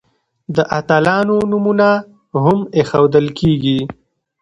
د اتلانو نومونه هم ایښودل کیږي.